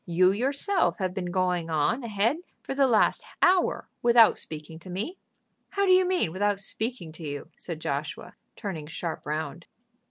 You yourself have been going on ahead for the last hour without speaking to me." "How do you mean without speaking to you?" said Joshua, turning sharp round.